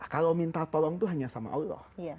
kalau minta tolong itu hanya sama allah